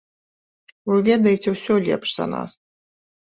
Вы ведаеце ўсё лепш за нас.